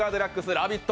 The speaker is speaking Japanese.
「ラヴィット！」